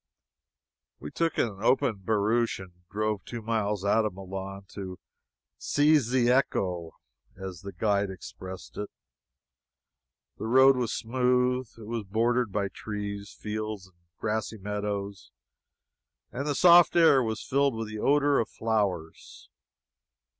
We took an open barouche and drove two miles out of Milan to "see ze echo," as the guide expressed it. The road was smooth, it was bordered by trees, fields, and grassy meadows, and the soft air was filled with the odor of flowers.